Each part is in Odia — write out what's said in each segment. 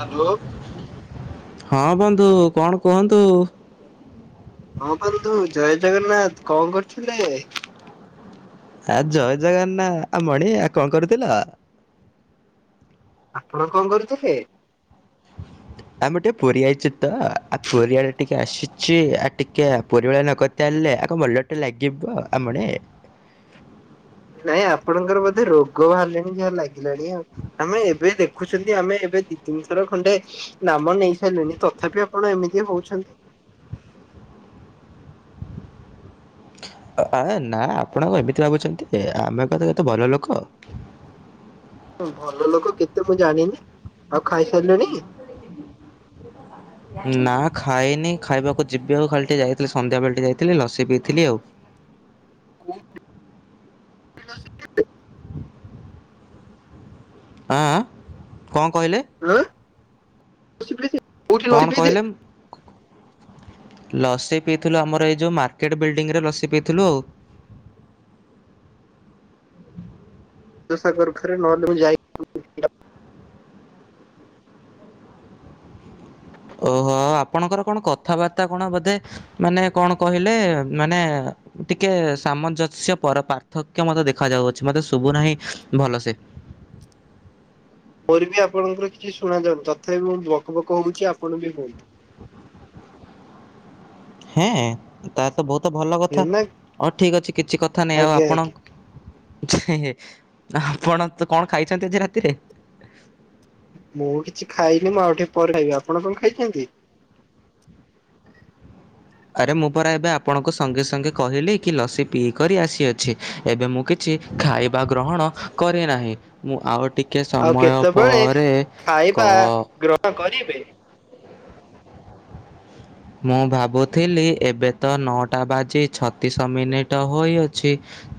ହାଲୋ। ହଁ ବନ୍ଧୁ କଣ କୁହନ୍ତୁ। ହଁ ବନ୍ଧୁ ଜୟ ଜଗନ୍ନାଥ କଣ କରୁଥିଲେ? ଆ ଜୟ ଜଗନ୍ନା ଆ ମଣି ଆ କଣ କରୁଥିଲ? ଆପଣ କଣ କରୁଥିଲେ? ଆମେ ଟିକେ ପୁରୀ ଆଇଛୁ ତ ଆ ପୁରୀ ଆଡେ ଟିକେ ଆସିଛି ଆଉ ଟିକେ ପୁରୀ ଭଳିଆ ନକ ତାହେଲେ ଆଗ ମଲଟେ ଲାଗିବ ଆମଣି। ନାଇଁ ଆପଣଙ୍କର ବୋଧେ ରୋଗ ବାହାରିଲେଣି ଯାହା ଲାଗିଲାଣି ଆଉ ଆମେ ଏବେ ଦେ ଦେଖୁଛନ୍ତି ଆମେ ଏବେ ଦି ତିନିଥର ଖଣ୍ଡେ ନାମ ନେଇ ସାଇଲେଣି ତଥାପି ଆପଣ ଏମିତି ହଉଛନ୍ତି। ଆ ନା ଆପଣଙ୍କ ଏମିତି ଭାବୁଛନ୍ତି ଯେ ଆମେ ପା [unintelligible] କେତେ ଭଲ ଲୋକ। ହ ଭଲ ଲୋକ କେତେ ମୁଁ ଜାଣିନି। ଆଉ ଖାଇସାରିଲେଣି? [inaudible] ନା ଖାଇନି ଖାଇବାକୁ ଯିବି ଆଉ ଖାଲି ଟିଏ ଯାଇଥିଲି ସନ୍ଧ୍ୟାବେଳେ ଟେ ଯାଇଥିଲି ଲସି ପିଇଥିଲି ଆଉ। ଲସି କେତେ ଆଁ ଆଁ କଣ କହିଲେ। ଉଁ [unintelligible] କଣ କହିଲେମ୍ ଲସି ପିଇଥିଲୁ ଆମର ଏଇ ଯୋଉ ମାର୍କେଟ ବିଲ୍ଡିଂ ରେ ଲସି ପିଇଥିଲୁ ଆଉ। ଦୋସା ଖର ଖରେ ନହଲେ ମୁଁ ଯାଇ ଓହୋ ଆପଣଙ୍କର କଣ କଥାବାର୍ତ୍ତା କଣ ବୋଧେ ମାନେ କଣ କହିଲେ ମାନେ। ଟିକେ ସାମଞ୍ଜସ୍ୟ ପର ପାର୍ଥକ୍ୟ ମୋତେ ଦେଖା ଯାଉଅଛି ମତେ ଶୁଭୁ ନାହିଁ ଭଲସେ। ମୋର ବି ଆପଣଙ୍କର କିଛି ଶୁଣାଯାଉନି ତଥାପି ମୁଁ ବକବକ ହଉଛି ଆପଣ ବି ହୁଅନ୍ତୁ। ହେଁ ତା ତ ବହୁତ ଭଲ ହେ କଥା ନା ହଉ ଠିକକ୍ ଅଛି କିଛି କଥା ନାହିଁ ଆଉ ଆଜ୍ଞା ଆପଣ। ଆଜ୍ଞା ଯେ ଆପଣ ତ କଣ ଖାଇଛନ୍ତି ଆଜି ରାତିରେ? ମୁଁ କିଛି ଖାଇନି ମୁଁ ଆଉ ଟିକେ ପରେ ଖାଇବି ଆପଣ କଣ ଖାଇଛନ୍ତି? ଆରେ ମୁଁ ପରା ଏବେ ଆପଣଙ୍କୁ ସଙ୍ଗେ ସଙ୍ଗେ କହିଲି କି ଲସି ପିଇ କରି ଆସିଅଛି ଏବେ ମୁଁ କି କିଛି ଖାଇବା ଗ୍ରହଣ କରି ନାହିଁ। ମୁଁ ଆଉ ଟିକେ ଆଉ ସମୟ କେତେବେଳେ ପରେ ଖାଇବା କ ଗ୍ରହଣ କରିବେ। ମୁଁ ଭାବୁଥିଲି ଏବେ ତ ନଅଟା ବାଜି ଛତିଶ ମିନିଟ ହୋଇଅଛି।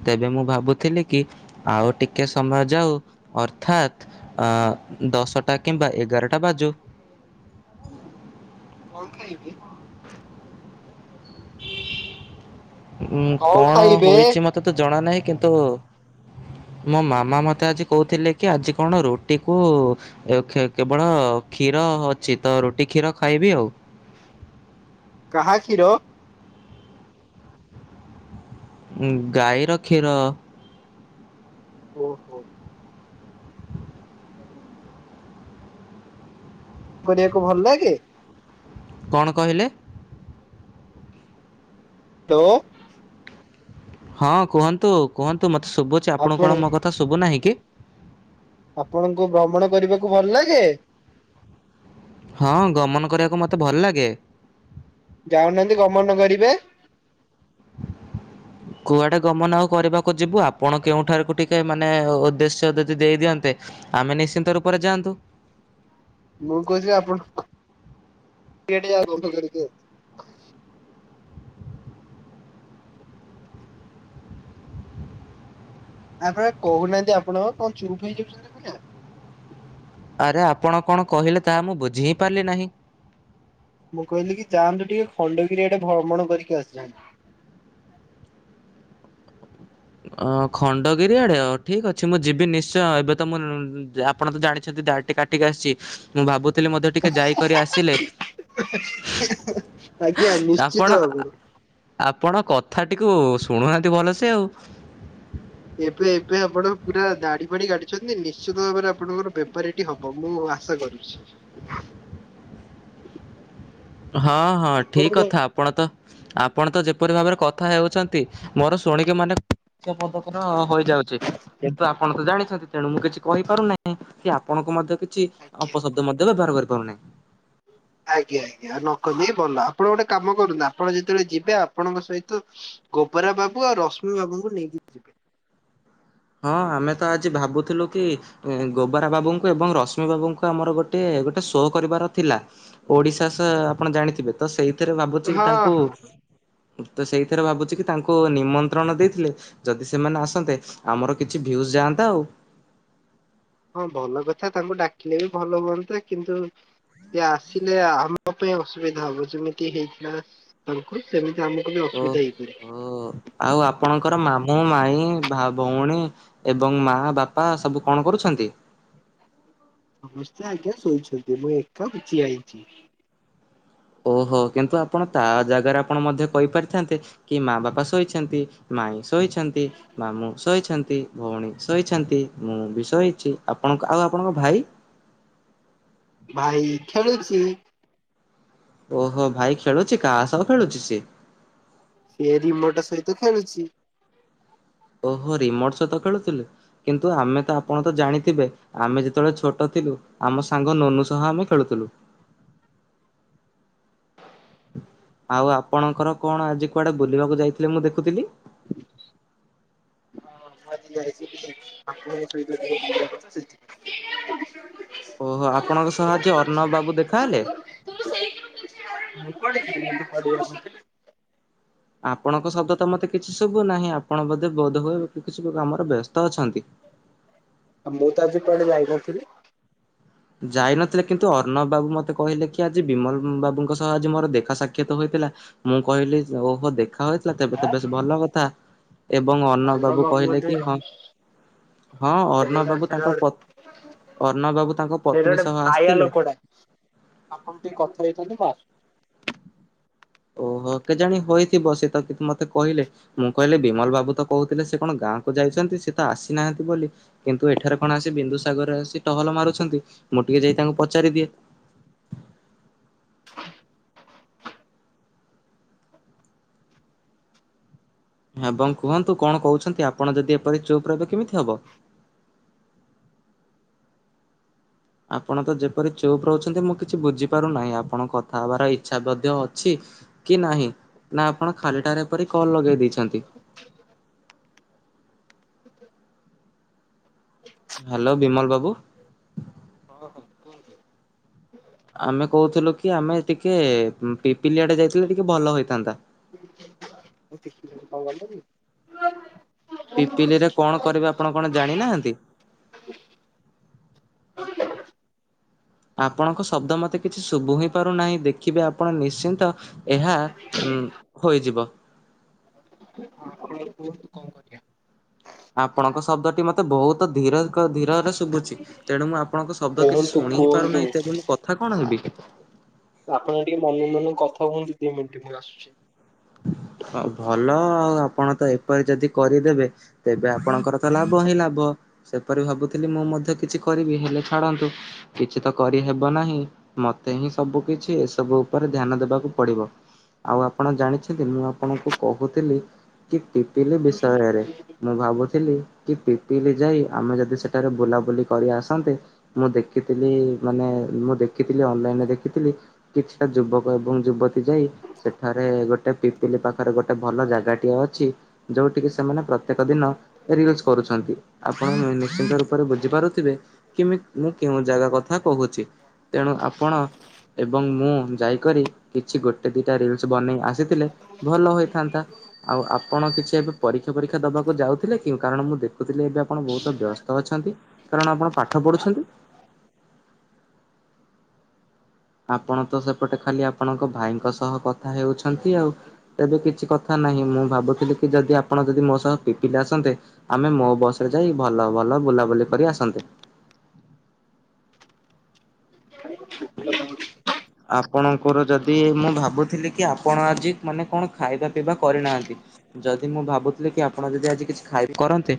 ତେବେ ମୁଁ ଭାବୁଥିଲି କି ଆଉ ଟିକେ ସମୟ ଯାଉ ଅର୍ଥାତ୍। ଆ ଦଶଟା କିମ୍ବା ଏଗାରଟା ବାଜୁ। କଣ ଖାଇବେ? ଉଁ କଣ ହୋଇଛି ମତେ ତ ଜଣା ନାହିଁ କିନ୍ତୁ। ମୋ ମାମା ମତେ ଆଜି କହୁଥିଲେ କି ଆଜି କଣ ରୁଟି କୁ। ଏ ଖେ, କେବଳ କ୍ଷୀର ଅଛି, ତ ରୁଟି କ୍ଷୀର ଖାଇବି ଆଉ। କାହା କ୍ଷୀର? ଉଁ, ଗାଈର କ୍ଷୀର। ଓହୋ ପାଠ ପଢିବାକୁ ଭଲ ଲାଗେ? କଣ କହିଲେ? ତୋ ହଁ, କୁହନ୍ତୁ-କୁହନ୍ତୁ, ମୋତେ ଶୁଭୁଛି। ଆପଣଙ୍କୁ ଆପଣ କଣ ମୋ କଥା ଶୁଭୁ ନାହିଁ କି? ଆପଣଙ୍କୁ ଭ୍ରମଣ କରିବାକୁ ଭଲ ଲାଗେ? ହଁ, ଗମନ କରିବାକୁ ମୋତେ ଭଲ ଲାଗେ। ଯାଉନାହାନ୍ତି ଗମନ କରିବେ? କୁଆଡେ ଗମନ ଆଉ କରିବାକୁ ଯିବୁ, ଆପଣ କେଉଁଠାରୁକୁ ଟିକେ ମାନେ ଉଦ୍ଦେଶ୍ୟ ଯଦି ଦେଇ ଦିଅନ୍ତେ ଆମେ ନିଶ୍ଚିନ୍ତ ରୂପରେ ଯାଆନ୍ତୁ। ମୁଁ କହୁଛି, ଆପଣ [unintelligible] ଆପଣ, କହୁନାହାନ୍ତି ଆପଣ, କଣ ଚୁପ୍ ହେଇଯାଉଚନ୍ତି ପୁରା? ଆରେ ଆପଣ କଣ କହିଲେ, ତାହା ମୁଁ ବୁଝି ହିଁ ପାରିଲି ନାହିଁ? ମୁଁ କହିଲି କି, ଯାଆନ୍ତୁ ଟିକେ ଖଣ୍ଡଗିରି ଆଡେ ଭ୍ରମଣ କରିକି ଆସିଯାଆନ୍ତୁ? ଅ, ଖଣ୍ଡଗିରି ଆଡେ, ଆଉ ଠିକ ଅଛି, ମୁଁ ଯିବି ନିଶ୍ଚୟ, ଏବେ ତ ମୁଁ ଆପଣ ତ ଜାଣିଛନ୍ତି ଦାଡି ଟିକେ କାଟି ଟିକେ ଆସିଛି। ମୁଁ ଭାବୁଥିଲି, ମଧ୍ୟ ଟିକେ ଯାଇକରି ଆସିଲେ ଆଜ୍ଞା, ଆପଣ ନିଶ୍ଚିତ ଭାବରେ। ଆପଣ କଥାଟିକୁ ଶୁଣୁନାହାନ୍ତି ଭଲସେ ଆଉ ଏବେ-ଏବେ ଆପଣ ପୁରା ଦାଢ-ଫାଡି କାଟିଚନ୍ତି, ନିଶ୍ଚିତ ଭାବରେ ଆପଣଙ୍କର ବେପାରୀଟି ହବ, ମୁଁ ଆଶା କରୁଛି। [unintelligible] ହଁ ହଁ, ଠିକ ଆପଣଙ୍କ କଥା, ଆପଣ ତ ଆପଣ ତ ଯେପରି ଭାବରେ କଥା ହେଉଛନ୍ତି, ମୋର ଶୁଣିକି ମାନେ [unintelligible] ହୋଇଯାଉଛି। କିନ୍ତୁ, ଆପଣ ତ ଜାଣିଛନ୍ତି, ତେଣୁ ମୁଁ କିଛି କହିପାରୁନାହିଁ, କି ଆପଣଙ୍କୁ ମଧ୍ୟ କିଛି ଆଜ୍ଞା। ଅପଶବ୍ଦ ମଧ୍ୟ ବ୍ୟବହାର କରିପାରୁନାହିଁ। ଆଜ୍ଞା ଆଜ୍ଞା, ନକଲେଇ ଭଲ, ଆପଣ ଗୋଟେ କାମ କରନ୍ତୁ ଆପଣ ଯେତେବେଳେ ଯିବେ ଆପଣଙ୍କ ସହିତ ଗୋବରା ବାବୁ ଆଉ ରଶ୍ମି ବାବୁଙ୍କୁ ନେଇକି ହଁ, ଆମେ ତ ଆଜି ଭାବୁଥିଲୁ କି ଗୋବରା ବାବୁଙ୍କୁ ଏବଂ ରଶ୍ମି ବାବୁଙ୍କୁ ଆମର ଗୋଟେ, ଗୋଟେ ଶୋ କରିବାର ଥିଲା ଓଡିଶା ସହ ଆପଣ ଜାଣିଥିବେ, ତ ସେଇଥିରେ ଭାବୁଚି କି ହଁ ତାଙ୍କୁ ହଁ ତ ସେଇଥିରେ ଭାବୁଚି କି ତାଙ୍କୁ ନିମନ୍ତ୍ରଣ ଦେଇଥିଲେ, ଯଦି ସେମାନେ ଆସନ୍ତେ ଆମର କିଛି ଭ୍ୟୁ ଯାଆନ୍ତା ଆଉ। ହଁ ଭଲ କଥା, ତାଙ୍କୁ ଡାକିଲେ ବି ଭଲ ହୁଅନ୍ତା, କିନ୍ତୁ ସେ ଆସିଲେ, ଆମ ପାଇଁ ଅସୁବିଧା ହବ, ଯେମିତି ହେଇଥିଲା ତାଙ୍କୁ ସେମିତି ଆମ କୁବି ଓ ଅସୁବିଧା ଓ ହେଇପାରେ? ଆଉ ଆପଣଙ୍କର ମାମୁଁ ମାଇଁ ଭା ଭଉଣୀ ଏବଂ ମା ବାପା ସବୁ କଣ କରୁଛନ୍ତି? ସମସ୍ତେ ଆଜ୍ଞା ଶୋଇଛନ୍ତି, ମୁଁ ଏକା କିଛି ଆଇଚି। ଓହୋ, କିନ୍ତୁ ଆପଣ ତା ଜାଗାରେ ଆପଣ ମଧ୍ୟ କହିପାରିଥାନ୍ତେ କି ମା ବାପା ଶୋଇଛନ୍ତି, ମାଇଁ ଶୋଇଛନ୍ତି ମାମୁଁ ଶୋଇଛନ୍ତି, ଭଉଣୀ ଶୋଇଛନ୍ତି, ମୁଁ ବି ଶୋଇଛି, ଆପଣ ଆଉ ଆପଣଙ୍କ ଭାଇ ଭାଇ ଖେଳୁଛି। ଓହୋ ଭାଇ ଖେଳୁଚି କାହା ସହ ଖେଳୁଚି ସିଏ? ସିଏ ରିମୋଟ ସହିତ ଖେଳୁଚି। ଓହୋ ରିମୋଟ ସହିତ ଖେଳୁଥିଲେ କିନ୍ତୁ ଆମେ ତ ଆପଣ ତ ଜାଣିଥିବେ ଆମେ ଯେତେବେଳେ ଛୋଟଥିଲୁ ଆମ ସାଙ୍ଗ ନୁନୁ ସହ ଆମେ ଖେଳୁଥିଲୁ। ଆଉ ଆପଣଙ୍କର କଣ ଆଜି କୁଆଡେ ବୁଲିବାକୁ ଯାଇଥିଲେ ମୁଁ ଦେଖୁଥିଲି। [inaudible] ଓହୋ ଆପଣଙ୍କ ସହ ଆଜି ଅର୍ଣ୍ଣବ ବାବୁ ଦେଖାହେଲେ? [inaudible] ଆପଣଙ୍କ ଶବ୍ଦ ତ ମତେ କିଛି ଶୁଭୁନାହିଁ ଆପଣ ବୋଧେ ବୋଧ ହୁଏ କିଛି କାମରେ ବ୍ୟସ୍ତ ଅଛନ୍ତି? ଆଉ ମୁଁ ତ ଆଜି କୁଆଡେ ଯାଇନଥିଲି। ଯାଇନଥିଲେ କିନ୍ତୁ ଅର୍ଣ୍ଣବ ବାବୁ ମତେ କହିଲେ କି ଆଜି ବିମଲ ବାବୁଙ୍କ ସହ ଆଜି ମୋର ଦେଖା ସାକ୍ଷାତ ହୋଇଥିଲା। ମୁଁ କହିଲି ଓହୋ ଦେଖାହୋଇଥିଲା ତେବେ ତ ଆଁ ବେଶ ଭଲ କଥା। ଏବଂ ଅର୍ଣ୍ଣବ ଅର୍ଣ୍ଣ ବାବୁ କହିଲେ ବୋଧେ କି ହଁ। ହଁ ସେଇଟା ଅର୍ଣ୍ଣବ ଗୋଟେ ବାବୁ ସେଇଟା ତାଙ୍କ ପ ଗୋଟେ ଅର୍ଣ୍ଣବ ବାବୁ ତାଙ୍କ ସେଇଟା ପତ୍ନୀ ଗୋଟେ ସହ ବାୟା ଆସିଥିଲେ। ଲୋକଟା। ଆପଣ ଟିକେ କଥା ହେଇଥାନ୍ତେ ମୁଁ ଆସ୍ ଓହୋ କେଜାଣି ହୋଇଥିବ ସେ ତ କିନ୍ତୁ ମତେ କହିଲେ। ମୁଁ କହିଲି ବିମଲ ବାବୁ ତ କହୁଥିଲେ ସେ କଣ ଗାଁକୁ ଯାଇଚନ୍ତି ସେ ତ ଆସିନାହାନ୍ତି ବୋଲି। କିନ୍ତୁ ଏଠାରେ କଣ ଆସି ବିନ୍ଦୁସାଗରରେ ଆସି ଟହଲ ମାରୁଚନ୍ତି ମୁଁ ଟିକେ ଯାଇ ତାଙ୍କୁ ପଚାରି ଦିଏ। ଏବଂ କୁହନ୍ତୁ କଣ କହୁଚନ୍ତି ଆପଣ ଯଦି ଏପରି ଚୁପ୍ ରହିବେ କେମିତି ହବ? ଆପଣ ତ ଯେପରି ଚୁପ୍ ରହୁଚନ୍ତି ମୁଁ କିଛି ବୁଝିପାରୁନାହିଁ ଆପଣଙ୍କ କଥା ହବାର ଇଚ୍ଛା ମଧ୍ୟ ଅଛି କି ନାହିଁ ନା ଆପଣ ଖାଲିଟାରେ ଏପରି କଲ୍ ଲଗେଇ ଦେଇଚନ୍ତି? ହାଲୋ ବିମଲ ବାବୁ। ହଁ ହଁ କୁହ ଆମେ କହୁଥିଲୁ କି ଆମେ ଟିକେ ପିପିଲିଆଡେ ଯାଇଥିଲେ ଟିକେ ଭଲ ହେଇଥାନ୍ତା। ମୁଁ କଣ କଇଲ କି? ପିପିଲିରେ କଣ କରିବେ ଆପଣ କଣ ଜାଣିନାହାନ୍ତି? ଆପଣଙ୍କ ଶବ୍ଦ ମୋତେ କିଛି ଶୁଭୁ ହିଁ ପାରୁନାହିଁ। ଦେଖିବେ ଆପଣ ନିଶ୍ଚିନ୍ତ ଏହା ଉଁ ହୋଇଯିବ। ହଁ ଆପଣ କୁହନ୍ତୁ କଣ କରିବା? ଆପଣଙ୍କ ଶବ୍ଦଟି ମତେ ବହୁତ ଧୀର ଧୀରରେ ଶୁଭୁଚି। ତେଣୁ ମୁଁ ଆପଣଙ୍କ ଶବ୍ଦ କିଛି କୁହନ୍ତୁ ଶୁଣି ହିଁ କୁହନ୍ତୁ ପାରୁନାହିଁ। ତେବେ ମୁଁ କଥା କଣ ହେବି? ଆପଣ ଟିକେ ମନକୁ ମନକୁ କଥା ହୁଅନ୍ତୁ ଦି ମିନିଟ ମୁଁ ଆସୁଚି। ଭଲ ଆଉ ଆପଣ ତ ଏପରି ଯଦି କରିଦେବେ ତେବେ ଆପଣଙ୍କର ତ ଲାଭ ହିଁ ଲାଭ। ସେପରି ଭାବୁଥିଲି ମୁଁ ମଧ୍ୟ କିଛି କରିବି ହେଲେ ଛାଡନ୍ତୁ କିଛି ତ କରିହେବ ନାହିଁ। ମତେ ହିଁ ସବୁ କିଛି ଏସବୁ ଉପରେ ଧ୍ୟାନ ଦବାକୁ ପଡିବ। ଆଉ ଆପଣ ଜାଣି ନ୍ତି ମୁଁ ଆପଣଙ୍କୁ କହୁଥିଲି କି ପିପିଲି ବିଷୟରେ। ମୁଁ ଭାବୁଥିଲି କି ପିପିଲି ଯାଇ ଆମେ ଯଦି ସେଠାରେ ବୁଲାବୁଲି କରି ଆସନ୍ତେ। ମୁଁ ଦେଖିଥିଲି ମାନେ ମୁଁ ଦେଖିଥିଲି ଅନଲାଇନରେ ଦେଖିଥିଲି। କିଛିଟା ଯୁବକ ଏବଂ ଯୁବତୀ ଯାଇ ସେଠାରେ ଗୋଟେ ଟେ ପିପିଲି ପାଖରେ ଗୋଟେ ଭଲ ଜାଗାଟିଏ ଅଛି ଯୋଉଠିକି ସେମାନେ ପ୍ରତ୍ୟେକ ଦିନ ରିଲ କରୁଚନ୍ତି ଆପଣ ନିଶ୍ଚିନ୍ତ ରୂପରେ ବୁଝିପାରୁଥିବେ କିମ ମୁଁ କେଉଁ ଜାଗା କଥା କହୁଚି ତେଣୁ ଆପଣ ଏବଂ ମୁଁ ଯାଇକରି କିଛି ଗୋଟେ ଦିଟା ରିଲସ ବନେଇ ଆସ ଯେ ଥିଲେ ଭଲ ହୋଇଥାନ୍ତା। ଆଉ ଆପଣ କିଛି ଏବେ ପରୀକ୍ଷା ଫରୀକ୍ଷା ଦବାକୁ ଯାଉଥିଲେ କି, କାରଣ ମୁଁ ଦେଖୁଥିଲି ଏବେ ଆପଣ ବୋହୁତ ବ୍ୟସ୍ତ ଅଛନ୍ତି। କାରଣ ଆପଣ ପାଠ ଆଁ ପଢୁଛନ୍ତି। ଆପଣ ତ ସେପଟେ ଖାଲି ଆପଣଙ୍କ ଭାଇଙ୍କ ସହ କଥା ହେଉଛନ୍ତି ଆଉ। ତେବେ କିଛି କଥା ନାହିଁ, ମୁଁ ଭାବୁଥିଲି କି ଯଦି ଆପଣ ଯଦି ମୋ ସହ ପିପିଲି ଆସନ୍ତେ। ଆମେ ମୋ ବସ୍ ରେ ଯାଇ ଭଲ ଭଲ ବୁଲାବୁଲି କରି ଆସନ୍ତେ। [unintelligible] ଆପଣଙ୍କର ଯଦି ମୁଁ ଭାବୁଥିଲି କି ଆପଣ ଆଜି ମାନେ କଣ ଖାଇବା ପିଇବା କରିନାହାନ୍ତି? ଯଦି ମୁଁ ଭାବୁଥିଲି କି ଆପଣ ଯଦି ଆଜି କିଛି ଖାଇବି କରନ୍ତେ।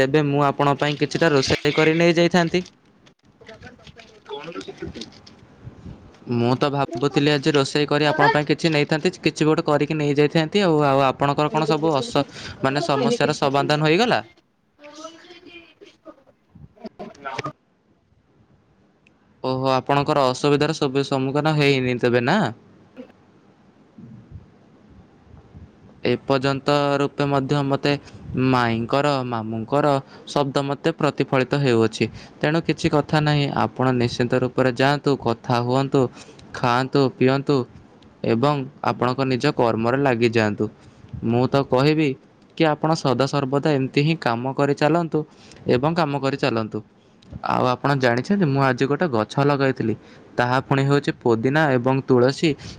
ତେବେ ମୁଁ ଆପଣ ପାଇଁ କିଛିଟା ରୋଷେଇ କରି ନେଇ ଯାଇଥାନ୍ତି। କଣ ରୋଷେଇ?। [inaudible] ମୁଁ ତ ଭାବୁଥିଲି ଆଜି ରୋଷେଇ କରି ଆପଣ ପାଇଁ କିଛି ନେଇଥାନ୍ତି, କିଛି ଗୋଟେ କରିକି ନେଇଯାଇଥା ନ୍ତି ଆଉ, ଆଉ ଆପଣଙ୍କର କଣ ସବୁ ହସ ମାନେ ସମସ୍ୟାର ସମାଧାନ ହେଇଗଲା? ଓହୋ! ଆପଣଙ୍କର ଅସୁବିଧାର ସବେ ସମ୍ମୁଖୀନ ହେଇନି ତେବେ ନା। ହୁଁ। ଏପର୍ଯ୍ୟନ୍ତ ରୂପେ ମଧ୍ୟ ମତେ ମାଇଁଙ୍କର, ମାମୁଁଙ୍କର ଶବ୍ଦ ମତେ ପ୍ରତିଫଳିତ ହେଉଅଛି। ତେଣୁ କିଛି କଥା ନାହିଁ ଆପଣ ନିଶ୍ଚିନ୍ତ ରୂପରେ ଯାଆନ୍ତୁ କଥା ହୁଅନ୍ତୁ ଖାଆନ୍ତୁ ପିଅନ୍ତୁ ଏବଂ ଆପଣଙ୍କ ନିଜ କର୍ମରେ ଲାଗିଯାଆନ୍ତୁ। ମୁଁ ତ କହିବି କି ଆପଣ ସଦାସର୍ବଦା ଏମତି ହିଁ କାମ କରିଚାଲନ୍ତୁ, ଏବଂ କାମ କରି ଚାଲନ୍ତୁ। ଆଉ ଆପଣ ଜାଣିଛନ୍ତି ମୁଁ ଆଜି ଗୋଟେ ଗଛ ଲଗାଇଥିଲି। ତାହା ପୁଣି ହେଉଛି ପୁଦିନା ଏବଂ ତୁଳସୀ